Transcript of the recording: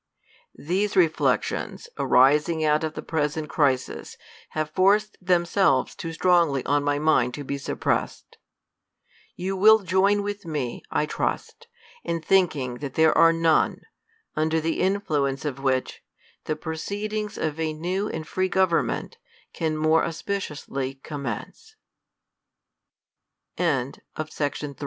These re flections, arising out of the present crisis, have forced themselves too strongly on my mind to be suppressed. You will join with me, I trust, in thinking that there are none,* under the influence of which, the proceed ings of a new and free government can